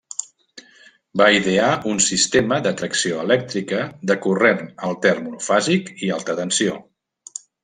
Va idear un sistema de tracció elèctrica de corrent altern monofàsic i alta tensió.